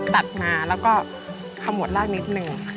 ตัดมาแล้วก็ขมวดรากนิดนึง